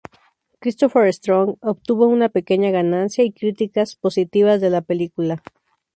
Christopher Strong obtuvo una pequeña ganancia y críticas positivas de la película.